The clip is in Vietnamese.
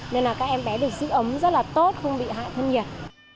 nên là các em bé được giữ ấm rất là tốt không bị hạ thân nhiệt